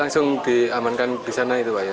langsung diamankan di sana itu pak ya